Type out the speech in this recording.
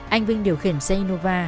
anh vinh điều khiển xe innova